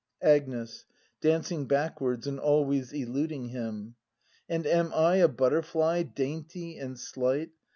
Agnes. [Dancing backwards and always eluding him.] And am I a butterfly, dainty and slight.